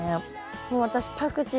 もう私パクチー